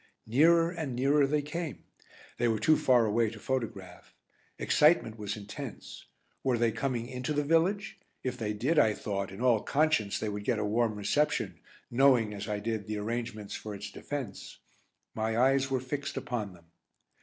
Nearer and nearer they came. They were too far away to photograph. Excitement was intense. Were they coming into the village? If they did, I thought, in all conscience they would get a warm reception, knowing as I did the arrangements for its defence. My eyes were fixed upon them.